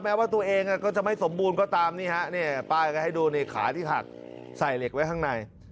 ว่าตัวเองก็จะไม่สมบูรณ์ก็ตามนี่ฮะเนี่ยป้ายก็ให้ดูในขาที่หักใส่เหล็กไว้ข้างใน